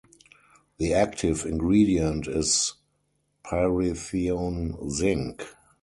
The active ingredient is pyrithione zinc.